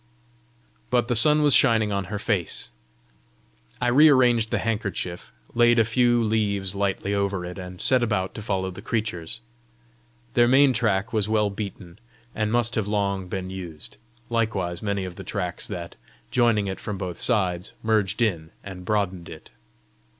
But the sun was shining on her face! I re arranged the handkerchief, laid a few leaves lightly over it, and set out to follow the creatures. Their main track was well beaten, and must have long been used likewise many of the tracks that, joining it from both sides, merged in, and broadened it.